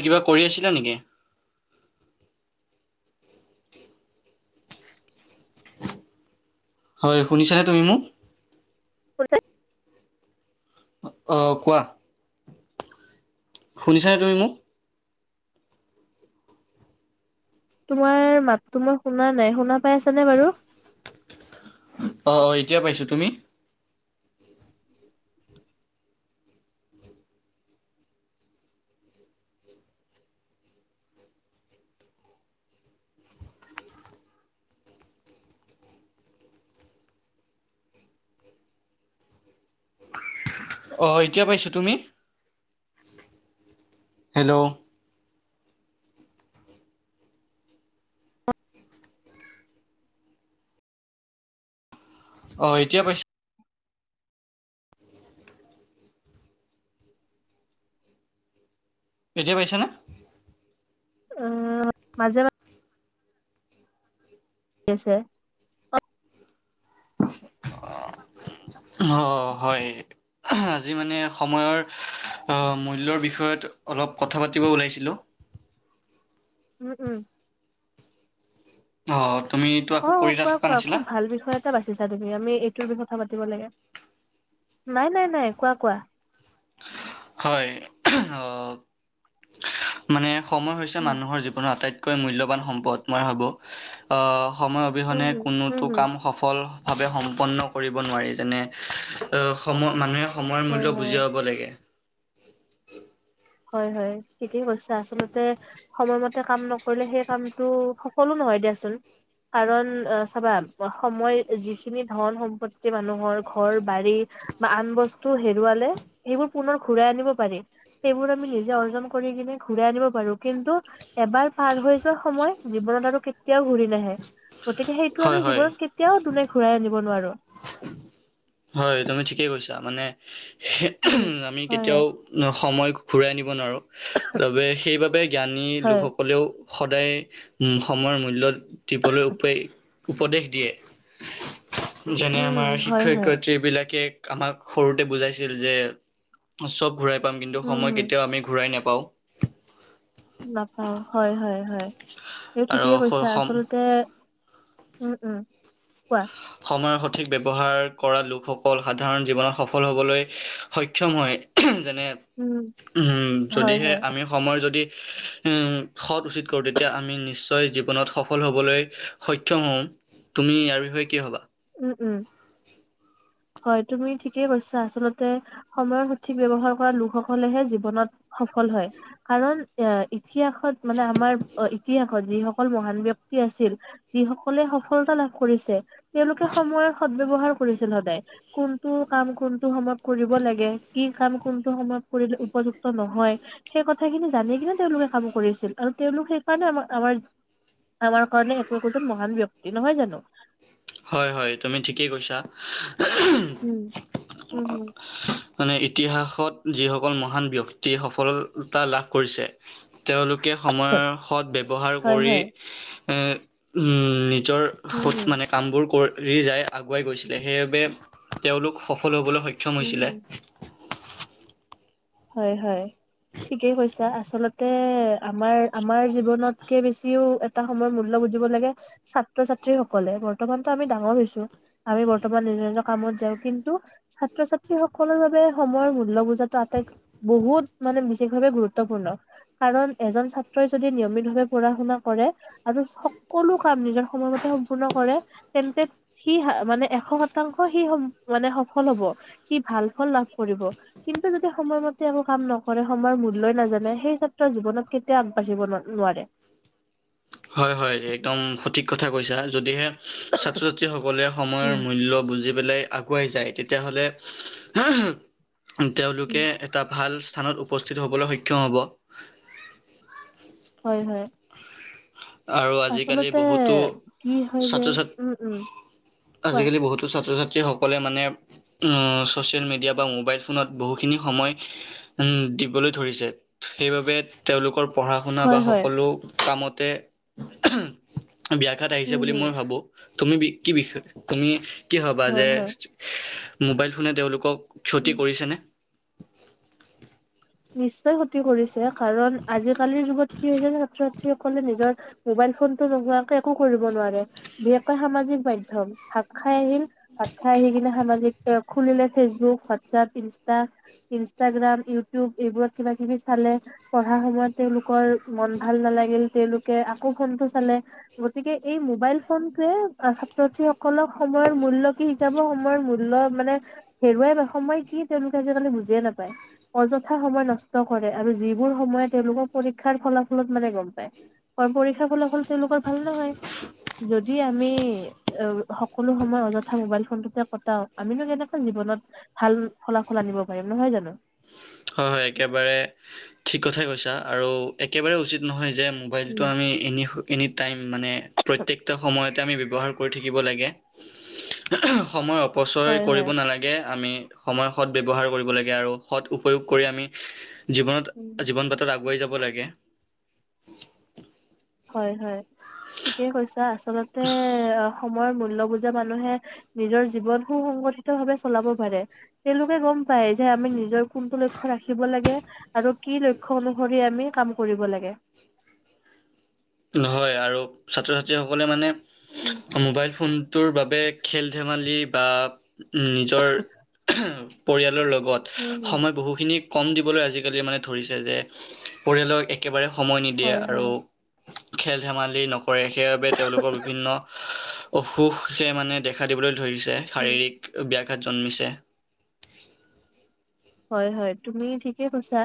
এই কিবা কৰি আছিলা নিকি? হয় শুনিছানে তুমি মোক? [unintelligible] অ কোৱা? শুনিছানে তুমি মোক? তোমাৰ মাততো মই শুনা নাই। শুনা পাই আছা নে বাৰু? অ' এতিয়া পাইছো। তুমি? অ' এতিয়া পাইছোঁ। তুমি? হেল্ল'! অ' এতিয়া পাইছো। এতিয়া পাইছানে? অ' মাজে মাজ আহি আছে। অ' হয়। আজি মানে সময়ৰ মূল্যৰ বিষয়ত অলপ কথা পাতিব ওলাইছিলোঁ। উম উম। অ' তুমি অ' কোৱা কোৱা খুব ভাল বিষয়। বাচিছা তুমি, আমি এইটোৰ বিষয়ে কথা পাতিব লাগে! নাই নাই নাই কোৱা কোৱা। হয় অ' মানে সময় হৈছে উম মানুহৰ জীৱনৰ আটাইত কৈ মূল্যবান সম্পদ, মই ভাবোঁ সময় উম অবিহনে হুম, কোনোতো উম হম কাম সফল ভাৱে সম্পন্ন কৰিব নোৱাৰি। যেনে সম মানুহে সময়ৰ হয় মূল্য বুজি হয় পাব লাগে। হয় হয়, ঠিকেই কৈছা। আচলতে সময়মতে কাম নকৰিলে সেই কামটো সফলো নহয় দিয়াচোন। কাৰণ চাবা সময় যিখিনি ধন-সম্পত্তি মানুহৰ ঘৰ-বাৰী বা আন বস্তু হেৰুৱালে সেইবোৰ পুনৰ ঘূৰাই আনিব পাৰি। সেইবোৰ আমি নিজে অৰ্জন কৰি কিনে ঘূৰাই আনিব পাৰো। কিন্তু, এবাৰ পাৰ হৈ যোৱা সময় জীৱনত আৰু কেতিয়াও ঘূৰি নাহে। গতিকে সেইটো আমি হয়, হয়, জীৱনত কেতিয়াও দুনে ঘূৰাই আনিব নোৱাৰো। হয় তুমি ঠিকেই কৈছা। মানে উম, আমি হয়, কেতিয়াও হয়, সময় ঘূৰাই নিব নোৱাৰোঁ, ত' সেইবাবে জ্ঞানী হয়, লোকসকল কলেও সদায় সময়ৰ মূল্য দিবলৈ উপায় উপদেশ দিয়ে যেনে উম, আমাৰ হম, হয়, শিক্ষয়ক হয়, ত্ৰি বিলাকে আমাক সৰুতে বুজাইছিল যে চব ঘূৰাই পাম, কিন্তু উম, সময় হম, কেতিয়াও আমি ঘূৰাই নাপাওঁ। নাপাও হয় হয় হয়, এই আৰু ঠিকেই কৈছা। সম আচলতে উম উম কোৱা। সময়ৰ সঠিক ব্যৱহাৰ কৰা লোকসকল সাধাৰণ জীৱনত সফল হবলৈ সক্ষম হয়। [unintelligible] যেনে উম, উম হয়, যদিয়ে হয়, আমি সময়ৰ যদি সৎ উচিত কৰোঁ, তেতিয়া আমি নিশ্চ শ্চয় জীৱনত সফল হবলৈ সক্ষম হওঁ, তুমি ইয়াৰ বিষয়ে কি ভাবা? উম উম হয়, তুমি ঠিকেই কৈছা। আচলতে সময়ৰ সঠিক ব্যৱহাৰ কৰা লোকসকলেহে জীৱনত সফল হয়। কাৰণ এ ইতিহাসত মানে আমাৰ ইতিহাসত যিসকল মহান ব্যক্তি আছিল। যি সকলে সফলতা লাভ কৰিছে, তেওঁলোকে সময়ৰ সদ ব্যৱহাৰ কৰিছিল সদায়। কোনটো কাম সময়ত কৰিব লাগে, কি কাম কোনটো সময়ত কৰিলে উপযুক্ত নহয়। সেই কথাখিনি জানি কিনে তেওঁলোকে কাম কৰিছিল, আৰু তেওঁলোক সেইকাৰণে আমাক আমাৰ আমাৰ কাৰণে একো একোজন মহান ব্যক্তি। নহয় জানো? হয়, হয়, তুমি ঠিকেই কৈছা। উম উম হম মানে ইতিহাসত যিসকল মহান ব্যক্তিয়ে সফলতা লাভ কৰিছে। তেওঁলোকে সময়ৰ সৎ ব্যৱহাৰ হয় কৰি হয় এ উম, নিজৰ উম সত হম মানে কামবোৰ কৰি যায় আগুৱাই গৈছিলে সেইবাবে তেওঁলোক সফল হ'বলৈ সক্ষম সক্ষম উম হৈছিলে। উম। হয়, হয়। ঠিকেই কৈছা আচলতে আমাৰ আমাৰ জীৱনতকে বেছিও এটা সময়ৰ মূল্য বুজিব লাগে ছাত্ৰ ছাত্ৰী সকলে বৰ্তমানতো আমি ডাঙৰ হৈছো। আমি বৰ্তমান নিজৰ নিজৰ কামত যাওঁ কিন্তু ছাত্ৰ ছাত্ৰী সকলৰ বাবে সময়ৰ মূল্য বুজাটো আটাইতকৈ বহুত মানে বিশেষভাৱে গুৰুত্বপূৰ্ণ। কাৰণ এজন ছাত্ৰই যদি নিয়মিত ভাবে পঢ়া শুনা কৰে। আৰু সকলো কাম নিজৰ সময়মতে সম্পূৰ্ণ কৰে তেন্তে সি মানে এশ শতাংশ সি মানে সফল হ'ব। সি ভাল ফল লাভ কৰিব কিন্তু যদি সময়ম তে একো কাম নকৰে সময়ৰ মূল্যই নাজানে সেই ছাত্ৰৰ জীৱনত কেতিয়াও আগবাঢ়িব ন নোৱাৰে। হয়, হয়, একদম সঠিক কথা কৈছা যদিহে ছাত্ৰ ছাত্ৰী সকলে সময়ৰ উম, মূল্য বুজি পেলাই আগুৱাই যায় তেতিয়া হ'লে তেওঁলোকে উম। এটা ভাল স্থানত উপস্থিত হ'বলৈ সক্ষম হ'ব। হয়, হয়। আৰু আজিকালি আচলতে বহুতো কি হয় যে ছাত্ৰ ছা উম, উম কোৱা আজিকালি বহুতো ছাত্ৰ ছাত্ৰী স ক'লে মানে উম, ছ'চিয়েল মিডিয়া বা মোবাইল ফোনত বহুখিনি সময় উম, দিবলৈ ধৰিছে সেইবাবে তেওঁলোকৰ পঢ়া শুনা বা হয়, হয়। সকলো কামতে ব্যাঘাত আহিছে উম, বুলি হম মই ভাবো, তুমি কি, বিষয় তুমি কি ভবা হয়, যে হয়। মোবাইল ফোনে তেওঁলোকক ক্ষতি উম। কৰিছেনে? নিশ্চয় ক্ষতি কৰিছে, কাৰণ আজিকালিৰ যুগত কি হৈছে ছাত্ৰ-ছাত্ৰীসকলে নিজৰ মোবাইল ফোনটো নোহোৱাকে একো কৰিব নোৱাৰে, বিশেষকৈ সামাজিক মাধ্যম, ভাত খাই আ ভাত খাই আহি কিনে সামাজিক খুলিলে, Facebook WhatsApp Insta Instagram, YouTube এইবোৰত কিবা কিবি চালে। পঢ়া সময়ত তেওঁলোকৰ মন ভাল নালাগিল, তেওঁলোকে আকৌ ফোনটো চালে। গতিকে এই মোবাইল ফোনটোৱে ছাত্ৰ-ছাত্ৰী সকলক সময়ৰ মূল্য কি কিতাপ, সময়ৰ মূল্য মানে হেৰুৱাই সময় কি তেওঁলোকে যে মানে বুজিয়ে নাপায়। অযথা সময় নষ্ট কৰে আৰু যিবোৰ সময়ে তেওঁলোকৰ পৰীক্ষাৰ ফলাফলত মানে গম পায়। অ', পৰীক্ষা ফলাফল তেওঁলোকৰ ভাল নহয়, যদি আমি অ', সকলো সময় অযথা মোবাইল ফোনটোতে কটাও, আমিনো কেনেকুৱা জীৱনত ভাল ফলাফল আনিব পাৰিম, নহয় জানো? হয়, হয়, একেবাৰে ঠিক কথাই কৈছা আৰু একেবাৰে উচিত নহয় যে, মোবাইলটো উম, আমি এনি, এনি টাইম মানে, প্ৰত্যেকটো সময়তে আমি ব্যৱহাৰ কৰি থাকিব লাগে। সময় অপচয় হয় কৰিব হয় নালাগে। আমি সময় সৎ ব্যৱহাৰ কৰিব লাগে আৰু সৎ উপয়োগ কৰি আমি জীৱনত, জীৱন বাটত আগুৱাই যাব লাগে। হয়, হয়, ঠিকেই কৈছা, আচলতে অ' সময়ৰ মূল্য বুজা মানুহে, নিজৰ জীৱন সু-সংগঠিত ভাৱে চলাব পাৰে। তেওঁলোকে গ'ম পায় যে আমি নিজৰ কোনটো লক্ষ্য ৰাখিব লাগে। আৰু কি লক্ষ্য অনুসৰি আমি কাম কৰিব লাগে। নহয় আৰু ছাত্ৰ-ছাত্ৰীসকলে মানে উম। মোবাইল ফোনটোৰ বাবে খেল-ধেমালি বা নিজৰ পৰিয়ালৰ লগত, উম, সময় বহুখিনি ক'ম দিবলৈ আজিকালি মানে ধৰিছে যে পৰিয়ালক একেবাৰে সময় নিদিয়ে হয়, হয়, আৰু খেল-ধেমালি নক কৰে, সেইবাবে তেওঁলোকক, বিভিন্ন অসুখে মানে দেখা দিবলৈ ধৰিছে উম, শাৰীৰিক। ব্যাঘাত জন্মিছে। হয়, হয়, তুমি ঠিকে কৈছা।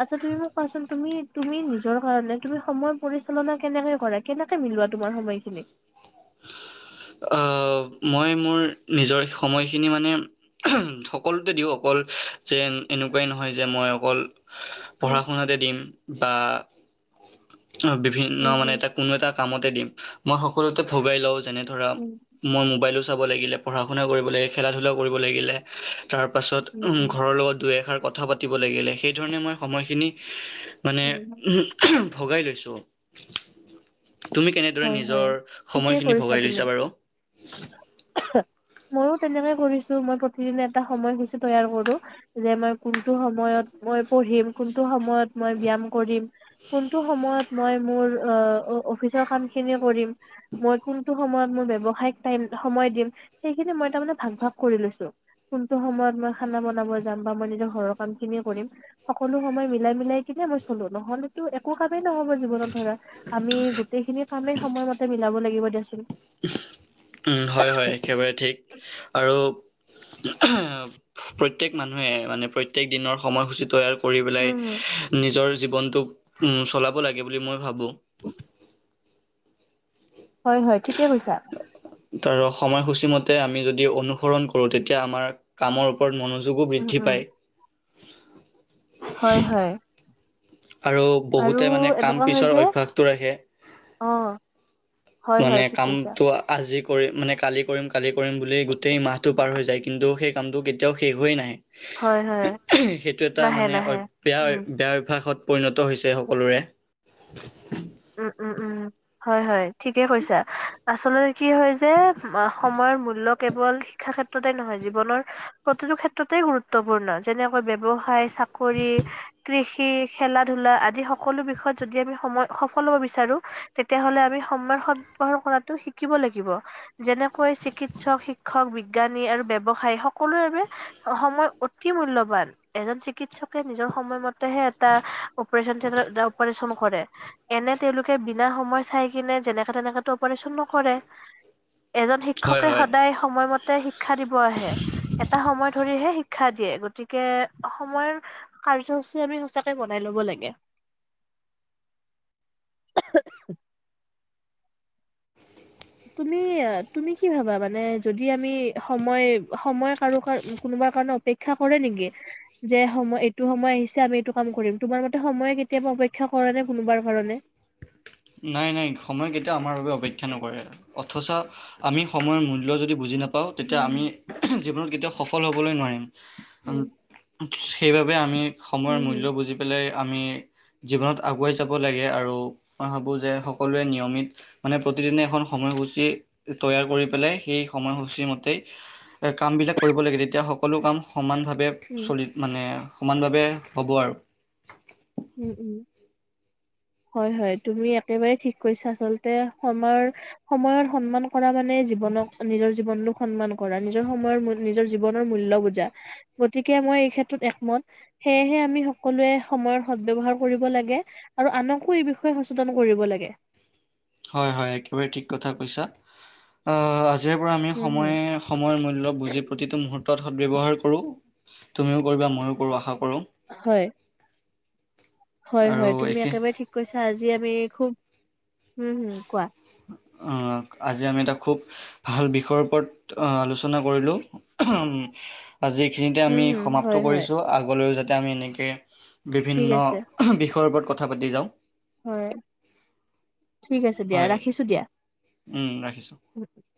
আচ্ছা, তুমি মোক কোৱাচোন তুমি, তুমি নিজৰ কাৰণে তুমি সময় পৰিচালনা কেনেকে কৰা? কেনেকে মিলোৱা তোমাৰ সময়খিনি? আ, মই, মোৰ নিজৰ সময়খিনি মানে সকলোতে দিওঁ, অকল যে এনেকুৱাই নহয়, যে মই অকল উম, পঢ়া-শুনাতে দিম বা বিভিন্ন উম, মানে উম, এটা কোনো এটা দিম, মই সকলোতে ভগাই লওঁ, যেনে ধৰা উম, মই মোবাইলো চাব লাগিলে, পঢ়া-শুনা কৰিব লাগে, খেলা ধূলাও কৰিব লাগিলে। তাৰ পাছত উম, উম, ঘৰৰ লগত দুই এষাৰ কথা পাতিব লাগিলে, সেইধৰণে মই সময়খিনি মানে উম, ভগাই লৈছোঁ। তুমি কেনেদৰে হয়, হয়, নিজৰ ঠিকেই সময়খিনি কৰিছা ভগাই লৈছা? তুমি। বাৰু ময়ো তেনেকে কৰিছো, মই প্ৰতিদিনে এটা সময়সূচী তৈয়াৰ কৰোঁ। যে মই কোনটো সময়ত মই পঢ়িম, কোনটো সময়ত মই ব্যায়াম কৰিম। কোনটো সময়ত মই মোৰ, অ', অফিচৰ কাম খিনি কৰিম। মই কোনটো সময়ত মোৰ, ব্যৱসায়িক টাইম সময় দিম, সেইখিনি মই তাৰ মানে ভাগ, ভাগ কৰি লৈছো। কোনটো সময়ত মই খানা বনাব যাম বা মই নিজৰ ঘৰৰ কাম খিনি কৰিম। সকলো সময় মিলাই মিলাই কিনে মই চলো, নহ'লেতো একো কামেই নহ'ব জীৱনত। ধৰা, আমি গোটেই খিনি কামেই সময়মতে মিলাব লাগিব দিয়াচোন। উম, হয়, হয়, একেবাৰে ঠিক আৰু প্ৰত্যেক মানুহে মানে প্ৰত্যেক দিনৰ সময়সূচী তৈয়াৰ কৰি পেলাই উম নিজৰ জীৱনটোক চলাব লাগে বুলি মই ভাবোঁ। [inaudible] হয়, হয়, ঠিকে কৈছা। তাৰ সময়সূচীমতে আমি যদি অনুসৰণ কৰোঁ, তেতিয়া আমাৰ কামৰ ওপৰত মনো যোগো উম বৃদ্ধি উম পায়। হয়, হয়। আৰু আৰু বহুতে মানে কাম এনেকুৱা হয় পিছৰ যে অভ্যয়াসটো ৰাখে। অ হয় হয় মানে ঠিক কৈছা কামটো আজি কৰিম মানে কালি কৰিম কালি কৰিম বুলি গোটেই মাহটো পাৰ হৈ যায়, কিন্তু সেই কামটো কেতিয়াও শেষ হৈ নাহে। হয় হয় সেইটো এটা নাহে মানে অ নাহে বেয়া উম বেয়া অভ্যয়াসত পৰিণত হৈছে সকলোৰে। [inaudible] উম' উম' উম' হয় হয় ঠিকে কৈছা। আচলতে কি হয় যে, সময়ৰ মূল্য। কেৱল শিক্ষা ক্ষেত্ৰতে নহয়, জীৱনৰ প্ৰতিটো ক্ষেত্ৰতেই গুৰুত্বপূৰ্ণ যেনেকৈ ব্যবসাই। চাকৰি, কৃষি, খেলা-ধূলা আদি সকলো বিষয়ত যদি আমি সময়। সফল হব বিচাৰো, তেতিয়া হলে আমি সময় সত ব্যবহাৰ কৰাটো শিকিব লাগিব। যেনেকৈ চিকিৎসক, শিক্ষক, বিজ্ঞানী আৰু ব্যবসায়ী সকলোৰে বাবে। সময় অতি মূল্যবান। এজন চিকিৎসকে নিজৰ সময়মতেহে এটা অপাৰেচন থিয়টাৰত এটা অপাৰেচন কৰে। এনে তেওঁলোকে বিনা সময় চাই কিনে যেনেকে তেনেকেটো অপাৰেচন নকৰে এজন শিক হয় শিক্ষকে হয় সদায় সময়মতে শিক্ষা দিব আহে এটা সময় ধৰিহে, শিক্ষা দিয়ে গতিকে, সময়ৰ কাৰ্যসূচী আমি সচাকে বনাই লব লাগে। । [unintelligible] তুমি তুমি কি ভাবা মানে যদি আমি সময় সময় কাৰোকাৰনে কোনোবা কাৰণে। অপেক্ষা কৰে নেকি। যে সময় এইটো সময় আহিছে আমি এইটো কাম কৰিম, তোমাৰ মতে সময়ে কেতিয়াবা অপেক্ষা কৰেনে কোনোবাৰ কাৰণে। নাই নাই, সময় কেতিয়াও আমাৰ বাবে অপেক্ষা নকৰে। অথচ আমি সময়ৰ মূল্য যদি বুজি নাপাওঁ, তেতিয়া উম, আমি। জীৱনত কেতিয়াও সফল হ'বলৈ নোৱাৰিম, উম, সেইবাবে আমি। সময়ৰ উম, উম, মূল্য বুজি পেলাই আমি জীৱনত আগুৱাই যাব লাগে আৰু। মই ভাবোঁ যে, সকলোৱে নিয়মিত। মানে প্ৰতিদিনে এখন সময়সূচী তৈয়াৰ কৰি পেলাই সেই সময়সূচী মতেই। কামবিলাক কৰিব লাগে, তেতিয়া সকলো কাম সমানভাৱে। উম, চলিত মানে, সমানভাৱে হ'ব আৰু। উম' উম'। [unintelligible] হয় হয়, তুমি একেবাৰে ঠিক কৈছা আচলতে সময়। সময়ৰ সন্মান কৰা মানে, জীৱনক নিজৰ জীৱনটো। সন্মান কৰা, নিজৰ সময়ৰ নিজৰ জীৱনৰ মূল্য বুজা। গতিকে, মই এই ক্ষেত্ৰত একমত, সেয়েহে আমি সকলোৱে সময়ত। সদ ব্যবহাৰ কৰিব লাগে, আৰু আনকো এই বিষয়ে সচেতন কৰিব লাগে। হয় হয়, একেবাৰে ঠিক কথা কৈছা, অঁ আজিৰে পৰা আমি উম হম সময়। সময়ৰ মূল্য বুজি প্ৰতিটো মুহূৰ্তত সদ ব্যৱহাৰ কৰোঁ, তুমিও কৰিবা ময়ো কৰোঁ আশা কৰোঁ। হয়। হয় আৰু হয়, তুমি এইখিনি একেবাৰে ঠিক কৈছা আজি আমি খুব হম' হম' কোৱা। অ আজি আমি এটা খুব। ভাল বিষয়ৰ ওপৰত আলোচনা কৰিলোঁ। আজি এইখিনিতে উম আমি হম হয় সমাপ্ত হয় কৰিছোঁ আগলৈও যাতে আমি এনেকৈ ঠিক বিভিন্ন, আছে বিষয়ৰ ওপৰত কথা পাতি যাওঁ। হয়, ঠিক আছে দিয়া হয় ৰাখিছো দিয়া। উম ৰাখিছোঁ। উ [inaudible]